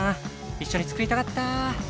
一緒に作りたかった！